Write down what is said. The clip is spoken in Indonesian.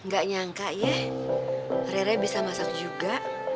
gak nyangka ya rera bisa masak juga